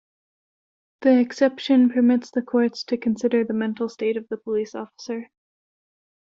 The exception permits the courts to consider the mental state of the police officer.